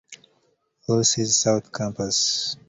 Louis' South Campus.